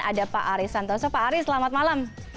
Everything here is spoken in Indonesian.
ada pak ari santoso pak ari selamat malam